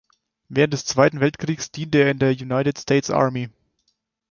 Während des Zweiten Weltkrieges diente er in der United States Army.